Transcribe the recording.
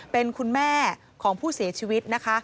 เป็นคุณแม่ของผู้เสียชีวิตนะคะ